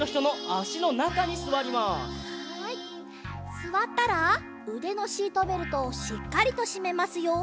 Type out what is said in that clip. すわったらうでのシートベルトをしっかりとしめますよ。